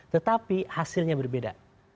tetapi hasilnya berbeda